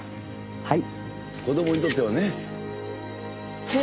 はい。